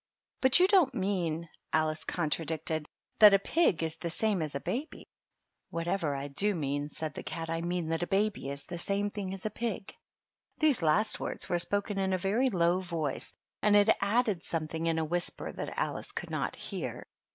"But you don't mean," Alice contradicted, "that a pig is the same thing as a baby?" " Whatever I do mean," said the cat, " I mean that a baby is the same thing as a pig." These last words were spoken in a very low voice, and it added something in a whisper that Alice could not hear.